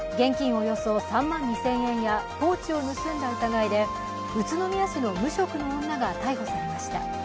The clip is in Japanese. およそ３万２０００円やポーチを盗んだ疑いで宇都宮市の無職の女が逮捕されました。